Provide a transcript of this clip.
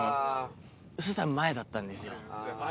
そしたら前だったんですよ。